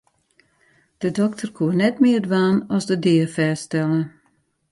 De dokter koe net mear dwaan as de dea fêststelle.